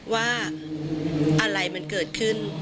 ว่าอะไรมันเกิดขึ้น